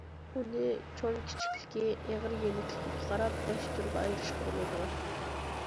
ئۇنى چوڭ- كىچىكلىكى، ئېغىر- يېنىكلىكىگە قاراپ بەش تۈرگە ئايرىشقا بولىدۇ.